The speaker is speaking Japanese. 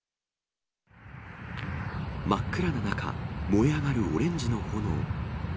真っ暗な中、燃え上がるオレンジの炎。